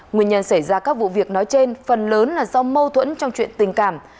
nguyên nhân xảy ra các vụ việc nói trên phần lớn là do mâu thuẫn trong chuyện tình cảm